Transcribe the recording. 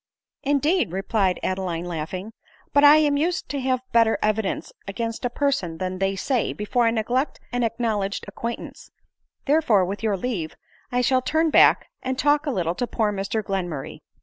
"Indeed?" replied Adeline laughing. "But I am used to have better evidence against a person than a they say before I neglect an acknowledged acquaintance ; therefore, with your leave, I shall turn back and talk a little to poor Mr Glenmurray."